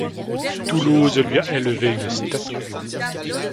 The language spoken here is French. Toulouse lui a élevé une statue.